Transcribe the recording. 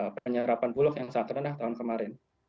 penyerapan bulog yang sangat rendah tahun kemarin